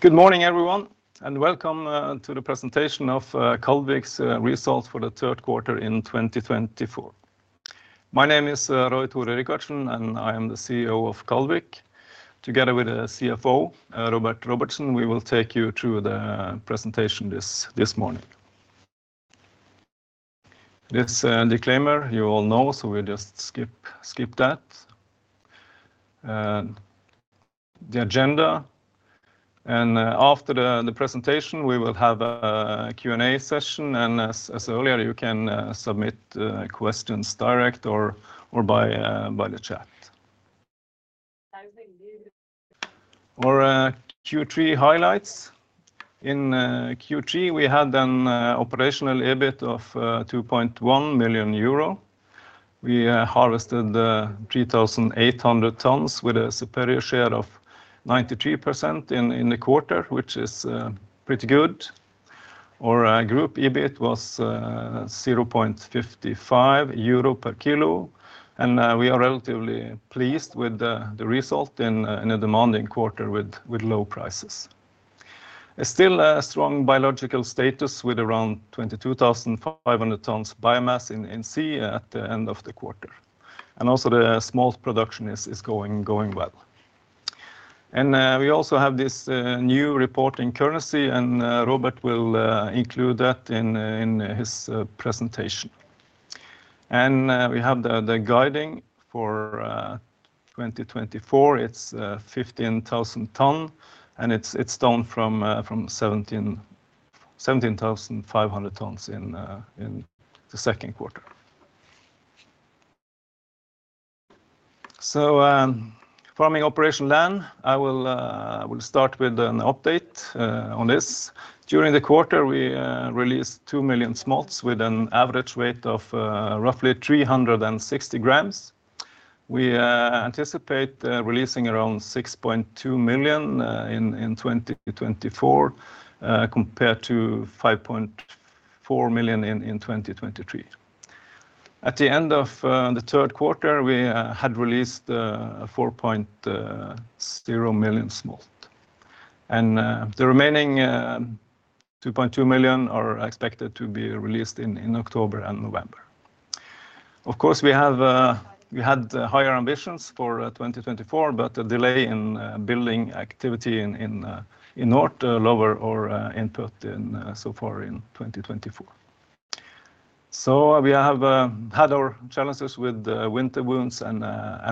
Good morning, everyone, and welcome to the presentation of Kaldvik's results for the third quarter in 2024. My name is Roy-Tore Rikardsen, and I am the CEO of Kaldvik. Together with the CFO, Róbert Róbertsson, we will take you through the presentation this morning. This is a disclaimer you all know, so we'll just skip that. The agenda, and after the presentation, we will have a Q&A session, and as earlier, you can submit questions direct or by the chat. Our Q3 highlights. In Q3, we had an operational EBIT of 2.1 million euro. We harvested 3,800 tons with a superior share of 93% in the quarter, which is pretty good. Our group EBIT was 0.55 euro per kilo, and we are relatively pleased with the result in a demanding quarter with low prices. Still, a strong biological status with around 22,500 tons of biomass in sea at the end of the quarter, and also, the smolt production is going well, and we also have this new reporting currency, and Róbert will include that in his presentation, and we have the guidance for 2024. It's 15,000 tons, and it's down from 17,500 tons in the second quarter, so farming operations land-based, I will start with an update on this. During the quarter, we released 2 million smolts with an average weight of roughly 360 grams. We anticipate releasing around 6.2 million in 2024 compared to 5.4 million in 2023. At the end of the third quarter, we had released 4.0 million smolts, and the remaining 2.2 million are expected to be released in October and November. Of course, we had higher ambitions for 2024, but a delay in building activity in the north lower our input so far in 2024, so we have had our challenges with winter wounds and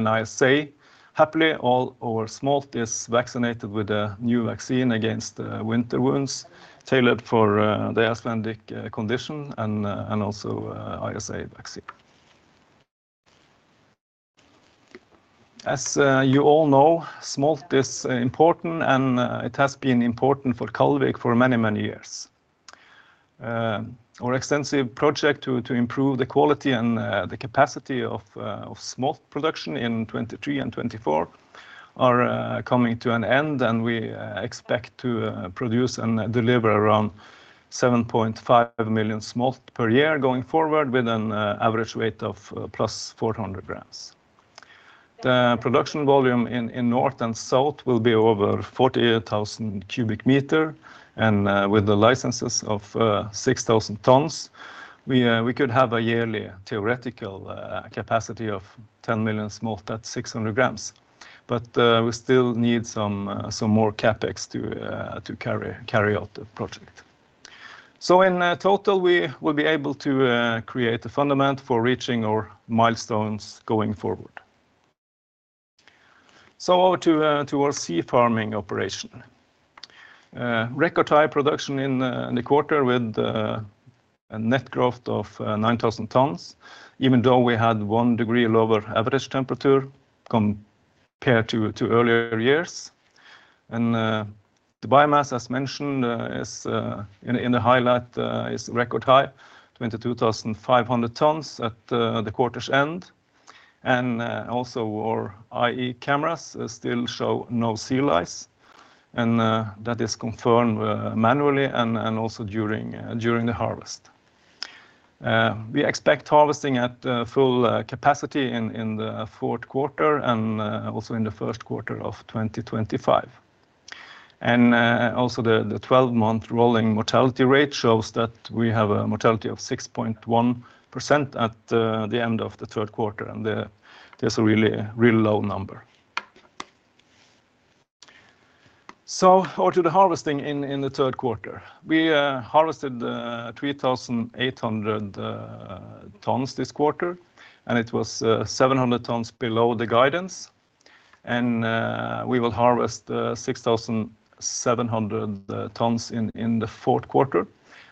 ISA. Happily, all our smolts are vaccinated with a new vaccine against winter wounds tailored for the Icelandic condition and also the ISA vaccine. As you all know, smolts are important, and it has been important for Kaldvik for many, many years. Our extensive project to improve the quality and the capacity of smolts production in 2023 and 2024 is coming to an end, and we expect to produce and deliver around 7.5 million smolts per year going forward with an average weight of +400 grams. The production volume in north and south will be over 40,000 cubic meters, and with the licenses of 6,000 tons, we could have a yearly theoretical capacity of 10 million smolts at 600 grams. But we still need some more CAPEX to carry out the project, so in total, we will be able to create a fundament for reaching our milestones going forward, so over to our sea farming operation. Record high production in the quarter with a net growth of 9,000 tons, even though we had one degree Celsius lower average temperature compared to earlier years. The biomass, as mentioned in the highlight, is record high, 22,500 tons at the quarter's end. Also our IE cameras still show no sea lice, and that is confirmed manually and also during the harvest. We expect harvesting at full capacity in the fourth quarter and also in the first quarter of 2025. Also the 12-month rolling mortality rate shows that we have a mortality of 6.1% at the end of the third quarter, and that's a really low number. Over to the harvesting in the third quarter. We harvested 3,800 tons this quarter, and it was 700 tons below the guidance. We will harvest 6,700 tons in the fourth quarter,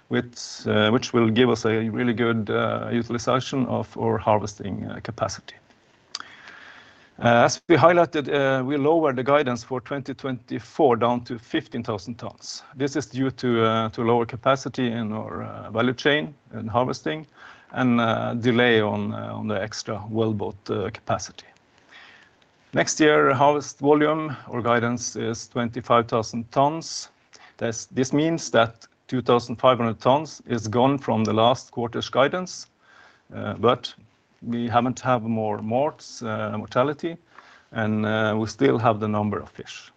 which will give us a really good utilization of our harvesting capacity. As we highlighted, we lowered the guidance for 2024 down to 15,000 tons. This is due to lower capacity in our value chain and harvesting and delay on the extra wellboat capacity. Next year, harvest volume or guidance is 25,000 tons. This means that 2,500 tons is gone from the last quarter's guidance, but we haven't had more mortality, and we still have the number of fish,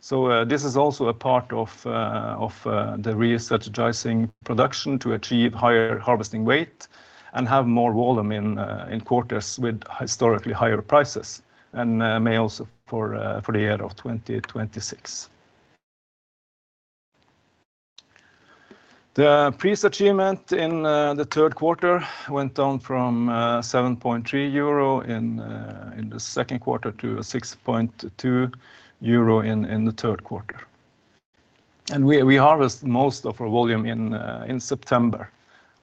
so this is also a part of the re-energizing production to achieve higher harvesting weight and have more volume in quarters with historically higher prices and may also for the year of 2026. The price achievement in the third quarter went down from 7.3 euro in the second quarter to 6.2 euro in the third quarter, and we harvested most of our volume in September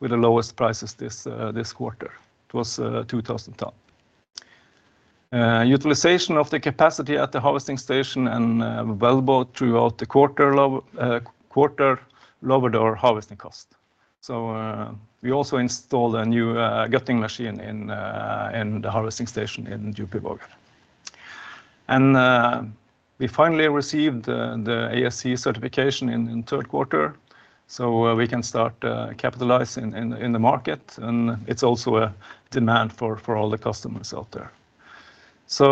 with the lowest prices this quarter. It was 2,000 tons. Utilization of the capacity at the harvesting station and wellboat throughout the quarter lowered our harvesting cost. So we also installed a new gutting machine in the harvesting station in Djúpivogur. And we finally received the ASC certification in the third quarter, so we can start capitalizing in the market, and it's also a demand for all the customers out there. So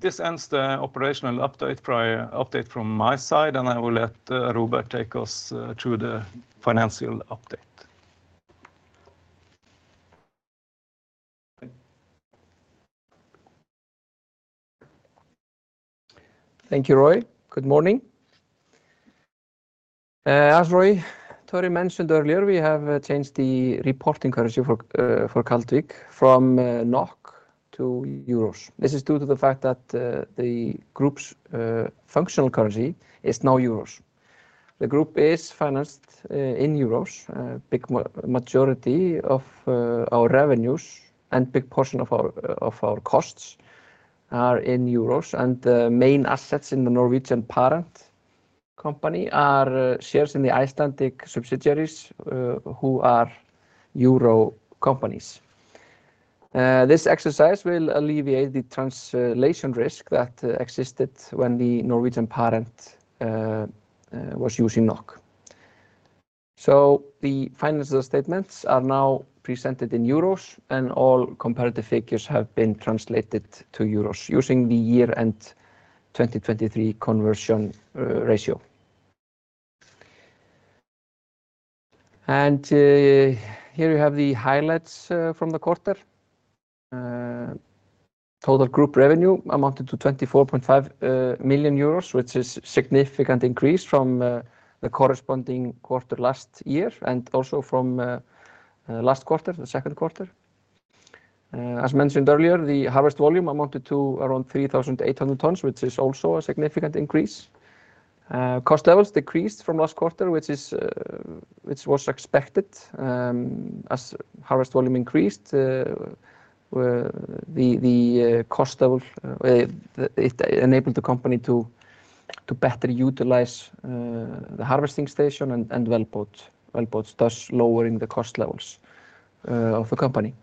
this ends the operational update from my side, and I will let Róbert take us through the financial update. Thank you, Roy. Good morning. As Roy mentioned earlier, we have changed the reporting currency for Kaldvik from NOK to euros. This is due to the fact that the group's functional currency is now euros. The group is financed in euros. A big majority of our revenues and a big portion of our costs are in euros, and the main assets in the Norwegian parent company are shares in the Icelandic subsidiaries who are euro companies. This exercise will alleviate the translation risk that existed when the Norwegian parent was using NOK. So the financial statements are now presented in euros, and all comparative figures have been translated to euros using the year-end 2023 conversion ratio. And here you have the highlights from the quarter. Total group revenue amounted to 24.5 million euros, which is a significant increase from the corresponding quarter last year and also from last quarter, the second quarter. As mentioned earlier, the harvest volume amounted to around 3,800 tons, which is also a significant increase. Cost levels decreased from last quarter, which was expected. As harvest volume increased, the cost level enabled the company to better utilize the harvesting station and wellboats, thus lowering the cost levels of the company.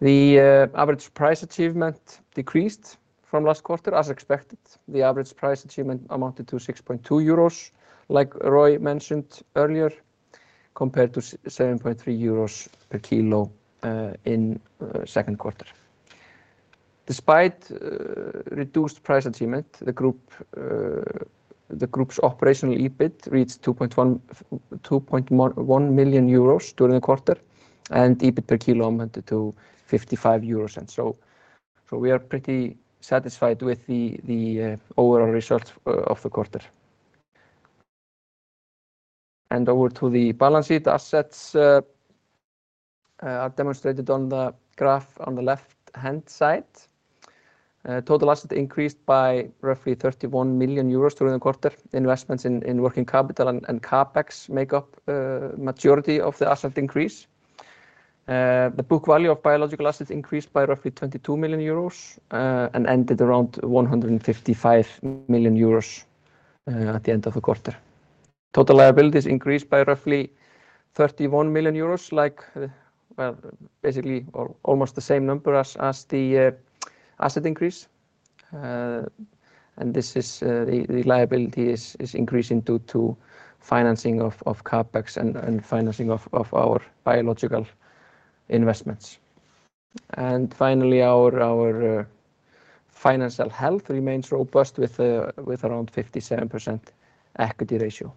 The average price achievement decreased from last quarter, as expected. The average price achievement amounted to 6.2 euros, like Roy mentioned earlier, compared to 7.3 euros per kilo in the second quarter. Despite reduced price achievement, the group's operational EBIT reached 2.1 million euros during the quarter, and EBIT per kilo amounted to 55 euros, and so we are pretty satisfied with the overall results of the quarter. Over to the balance sheet assets demonstrated on the graph on the left-hand side. Total assets increased by roughly 31 million euros during the quarter. Investments in working capital and CapEx make up the majority of the asset increase. The book value of biological assets increased by roughly 22 million euros and ended around 155 million euros at the end of the quarter. Total liabilities increased by roughly 31 million euros, like basically almost the same number as the asset increase. This is, the liabilities are increasing due to financing of CapEx and financing of our biological investments. Finally, our financial health remains robust with around 57% equity ratio.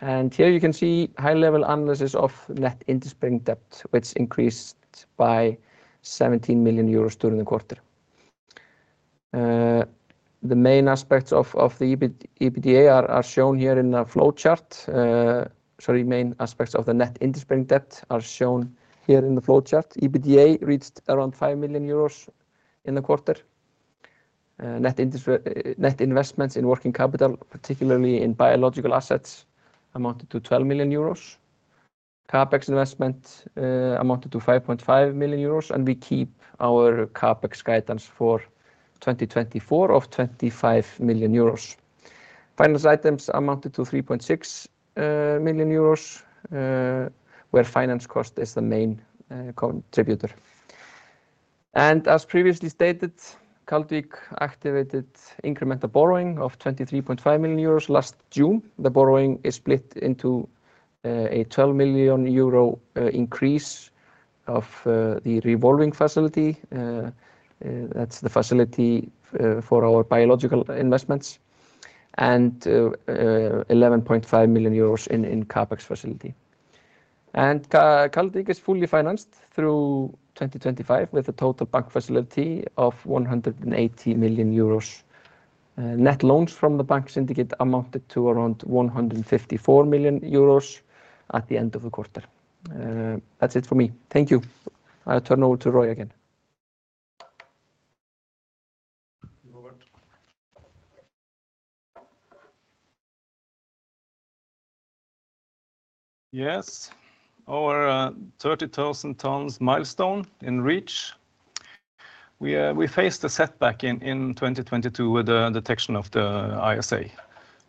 Here you can see high-level analysis of net interest-bearing debt, which increased by 17 million euros during the quarter. The main aspects of the EBITDA are shown here in the flow chart. Sorry, main aspects of the net interest-bearing debt are shown here in the flow chart. EBITDA reached around 5 million euros in the quarter. Net investments in working capital, particularly in biological assets, amounted to 12 million euros. CapEx investment amounted to 5.5 million euros, and we keep our CapEx guidance for 2024 of 25 million euros. Finance items amounted to 3.6 million euros, where finance cost is the main contributor, and as previously stated, Kaldvik activated incremental borrowing of 23.5 million euros last June. The borrowing is split into a 12 million euro increase of the revolving facility. That's the facility for our biological investments, and 11.5 million euros in CapEx facility, and Kaldvik is fully financed through 2025 with a total bank facility of 180 million euros. Net loans from the bank syndicate amounted to around 154 million euros at the end of the quarter. That's it for me. Thank you. I'll turn over to Roy again. Yes. Our 30,000 tons milestone in reach. We faced a setback in 2022 with the detection of the ISA,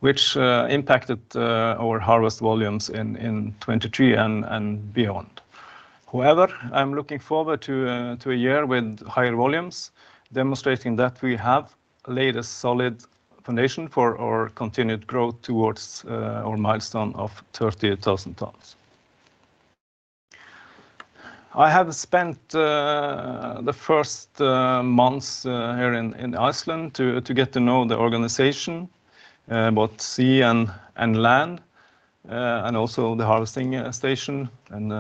which impacted our harvest volumes in 2023 and beyond. However, I'm looking forward to a year with higher volumes, demonstrating that we have laid a solid foundation for our continued growth towards our milestone of 30,000 tons. I have spent the first months here in Iceland to get to know the organization, both sea and land, and also the harvesting station and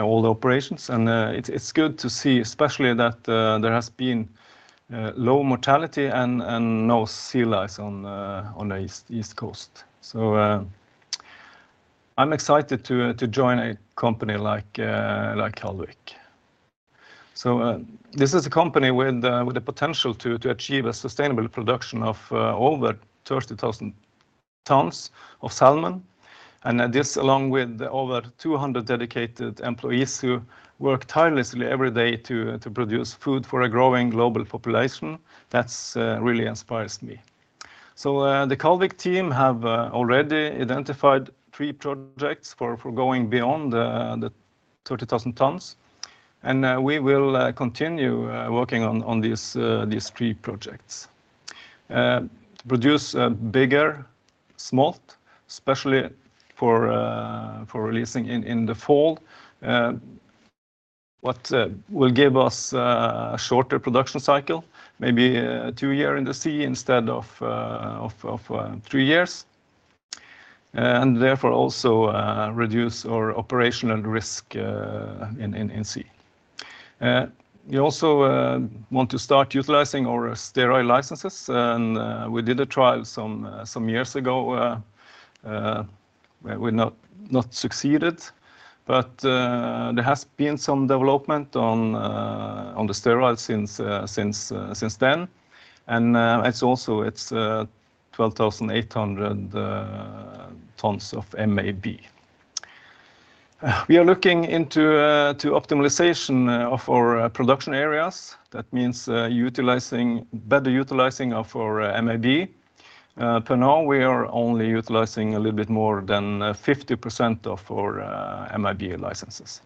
all the operations, and it's good to see, especially that there has been low mortality and no sea lice on the east coast, so I'm excited to join a company like Kaldvik, so this is a company with the potential to achieve a sustainable production of over 30,000 tons of salmon. This, along with over 200 dedicated employees who work tirelessly every day to produce food for a growing global population, really inspires me. The Kaldvik team has already identified three projects for going beyond the 30,000 tons. We will continue working on these three projects. To produce bigger smolt, especially for releasing in the fall, what will give us a shorter production cycle, maybe two years in the sea instead of three years, and therefore also reduce our operational risk in sea. We also want to start utilizing our sterile licenses. We did a trial some years ago. We have not succeeded, but there has been some development on the steriles since then. It is also 12,800 tons of MAB. We are looking into optimization of our production areas. That means better utilizing of our MAB. For now, we are only utilizing a little bit more than 50% of our MAB licenses.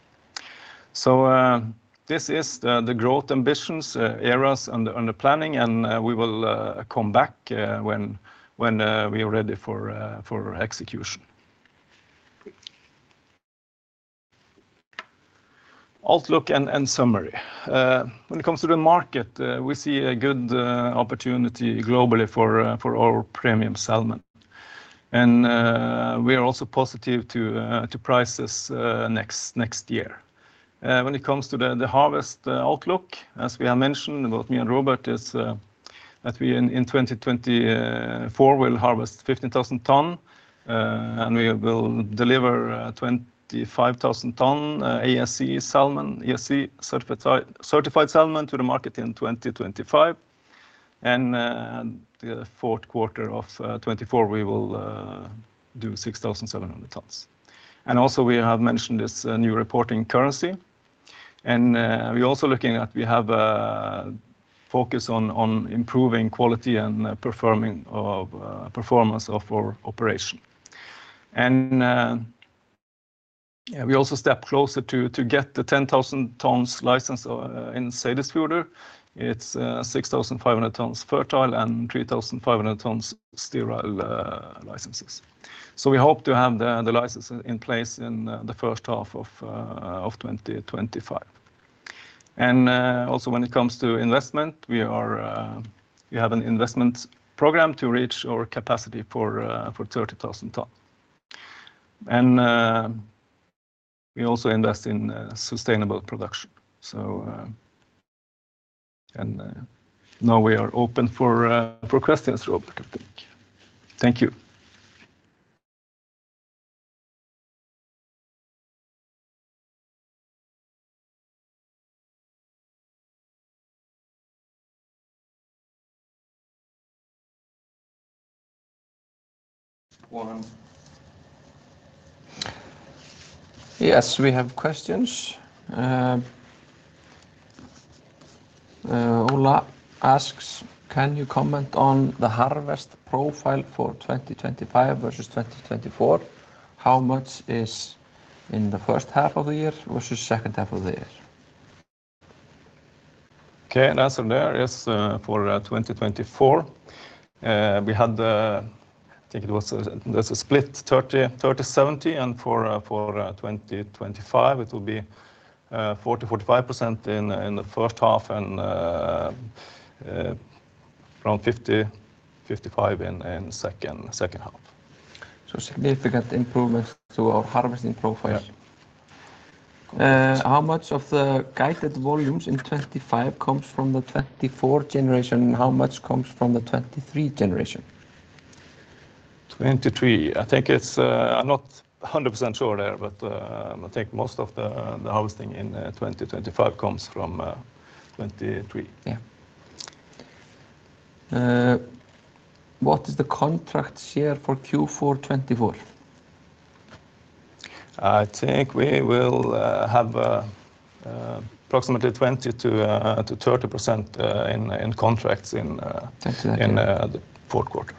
So this is the growth ambitions, areas, and the planning, and we will come back when we are ready for execution. Outlook and summary. When it comes to the market, we see a good opportunity globally for our premium salmon. And we are also positive to prices next year. When it comes to the harvest outlook, as we have mentioned, both me and Róbert is that we in 2024 will harvest 15,000 tons, and we will deliver 25,000 tons ASC salmon, ASC certified salmon to the market in 2025. And the fourth quarter of 2024, we will do 6,700 tons. And also, we have mentioned this new reporting currency. And we are also looking at we have a focus on improving quality and performance of our operation. And we also step closer to get the 10,000-ton license in Seyðisfjörður. It's 6,500 tons fertile and 3,500 tons sterile licenses. So we hope to have the license in place in the first half of 2025. And also, when it comes to investment, we have an investment program to reach our capacity for 30,000 tons. And we also invest in sustainable production. So now we are open for questions, Róbert, I think. Thank you. Yes, we have questions. Ola asks, can you comment on the harvest profile for 2025 versus 2024? How much is in the first half of the year versus second half of the year? Okay, an answer there is for 2024. We had, I think it was a split 30%-70%, and for 2025, it will be 40%-45% in the first half and around 50%-55% in the second half. Significant improvements to our harvesting profile. How much of the guided volumes in 2025 comes from the 2024 generation, and how much comes from the 2023 generation? 2023, I think it's not 100% sure there, but I think most of the harvesting in 2025 comes from 2023. Yeah. What is the contract share for Q4 2024? I think we will have approximately 20%-30% in contracts in the fourth quarter.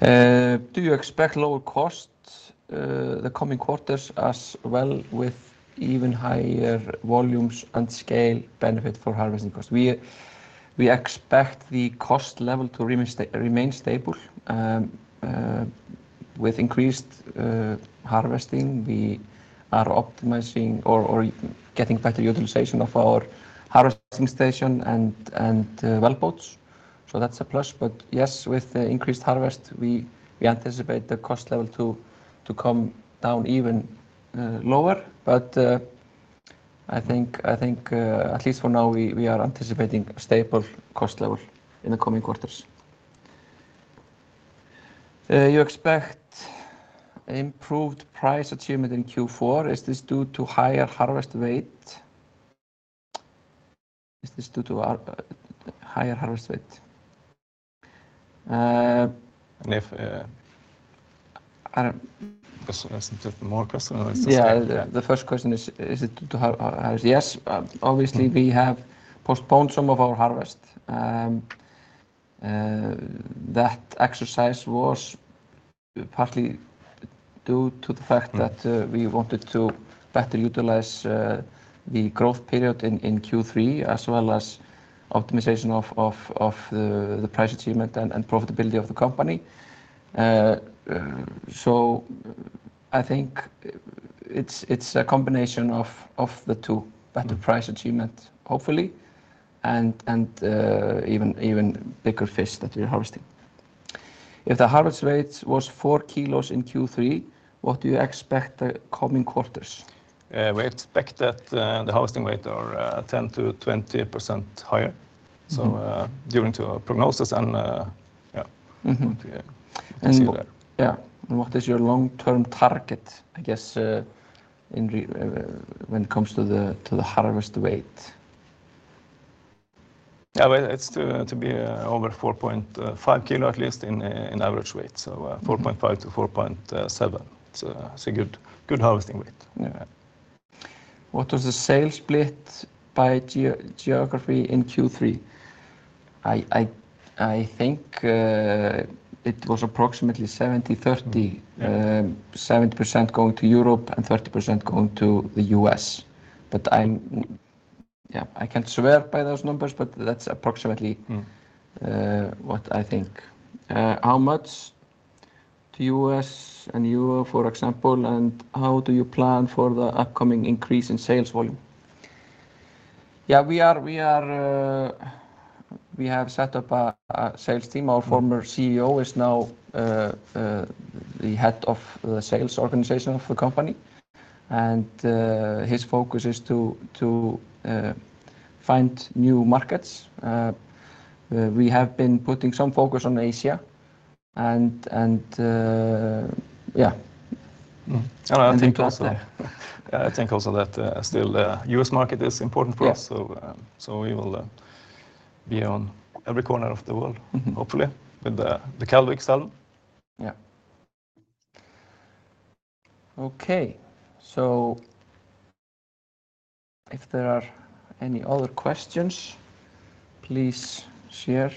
Do you expect lower costs the coming quarters as well with even higher volumes and scale benefit for harvesting costs? We expect the cost level to remain stable. With increased harvesting, we are optimizing or getting better utilization of our harvesting station and wellboats. So that's a plus. But yes, with increased harvest, we anticipate the cost level to come down even lower. But I think, at least for now, we are anticipating a stable cost level in the coming quarters. You expect improved price achievement in Q4. Is this due to higher harvest weight? Is this due to higher harvest weight? If customers need more customers. Yeah, the first question is, is it due to higher? Yes, obviously, we have postponed some of our harvest. That exercise was partly due to the fact that we wanted to better utilize the growth period in Q3, as well as optimization of the price achievement and profitability of the company. So I think it's a combination of the two, better price achievement, hopefully, and even bigger fish that we are harvesting. If the harvest weight was four kilos in Q3, what do you expect the coming quarters? We expect that the harvesting weight are 10%-20% higher, so during the prognosis and yeah, we see there. Yeah, and what is your long-term target, I guess, when it comes to the harvest weight? Yeah, it's to be over 4.5 kilo at least in average weight. So 4.5-4.7. It's a good harvesting weight. What was the sales split by geography in Q3? I think it was approximately 70%-30%, 70% going to Europe and 30% going to the U.S., but yeah, I can't swear by those numbers, but that's approximately what I think. How much to U.S. and Europe, for example, and how do you plan for the upcoming increase in sales volume? Yeah, we have set up a sales team. Our former CEO is now the head of the sales organization of the company, and his focus is to find new markets. We have been putting some focus on Asia, and yeah. And I think also that still the U.S. market is important for us. So we will be on every corner of the world, hopefully, with the Kaldvik salmon. Yeah. Okay. So if there are any other questions, please share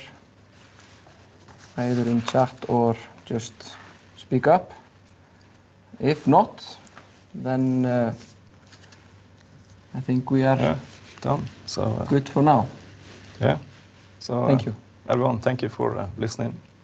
either in chat or just speak up. If not, then I think we are good for now. Yeah. Thank you. Everyone, thank you for listening.